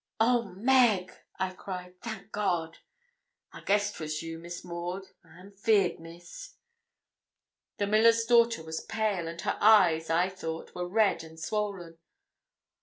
'Oh, Meg!' I cried; 'thank God!' 'I guessed'twas you, Miss Maud. I am feared, Miss.' The miller's daughter was pale, and her eyes, I thought, were red and swollen.